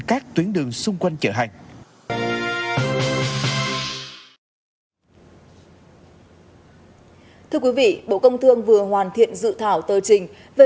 các tuyến đường xung quanh chợ hành thưa quý vị bộ công thương vừa hoàn thiện dự thảo tờ trình về